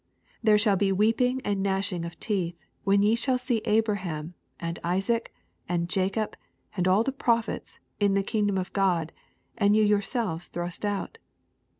28 There shall be weeping and gnashing of teeth, when ye shall &q% Abraham, and Isaac, and Jacob, and all the prophets, in the kingdom of God, and you youradvea thrust out.